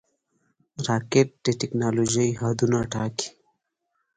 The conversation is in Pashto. راکټ د ټېکنالوژۍ حدونه ټاکي